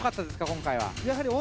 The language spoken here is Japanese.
今回は。